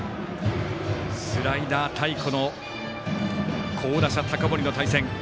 スライダー対好打者、高森の対戦。